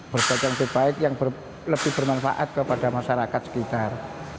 berbuat yang lebih baik yang lebih bermanfaat kepada masyarakat sekitar